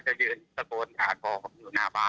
ก็จะยืนสะโปรดชาติพออยู่หน้าปาก